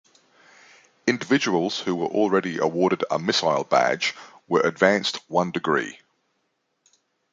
Individuals who already awarded a missile badge were advanced one degree.